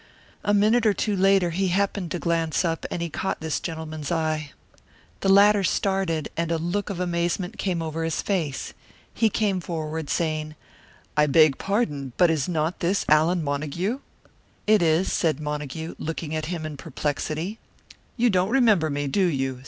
A minute or two later he happened to glance up, and he caught this gentleman's eye. The latter started, and a look of amazement came over his face. He came forward, saying, "I beg pardon, but is not this Allan Montague?" "It is," said Montague, looking at him in perplexity. "You don't remember me, do you?"